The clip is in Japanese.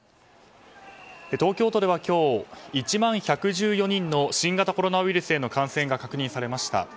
東京都では今日、１万１１４人の新型コロナウイルスへの感染が確認されました。